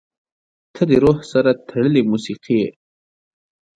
• ته د روح سره تړلې موسیقي یې.